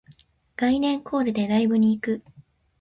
概念コーデでライブに行く